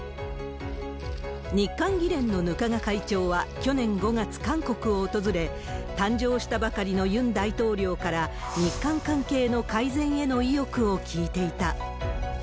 日韓議連の額賀会長は去年５月、韓国を訪れ、誕生したばかりのユン大統領から、日韓関係の改善への意欲を聞いていた。